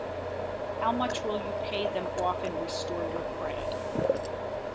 How much will pay them off, and restore your credit?